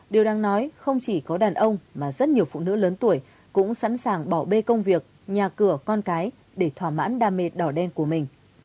điều đáng nói không chỉ có đàn ông mà rất nhiều phụ nữ lớn tuổi cũng sẵn sàng bỏ bê công việc nhà cửa con cái để thỏa mãn đam mê đỏ đen của mình